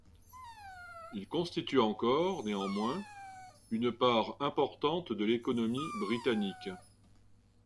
Il constitue encore, néanmoins, une part importante de l'économie britannique.